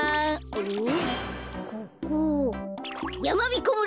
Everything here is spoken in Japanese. おっ？